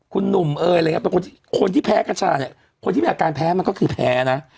คุณหนุ่มเอ้ยคนที่แพ้กัญชาเนี่ยคนที่มีอาการแพ้มันก็คือแพ้นะ